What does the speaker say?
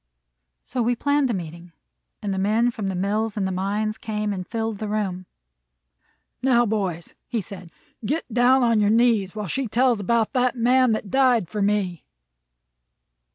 So we planned a meeting, and the men from the mills and the mines came and filled the room. "Now, boys," said he, "get down on your knees, while she tells about that Man that died for me."